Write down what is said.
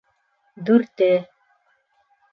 —Дүрте.